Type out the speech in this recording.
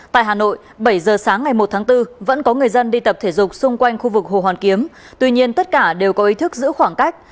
tại hà nội bảy giờ sáng ngày một tháng bốn vẫn có người dân đi tập thể dục xung quanh khu vực hồ hoàn kiếm tuy nhiên tất cả đều có ý thức giữ khoảng cách